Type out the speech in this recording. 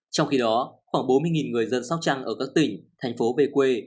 trong khi đó khoảng bốn mươi người dân sóc trăng ở các tỉnh thành phố về quê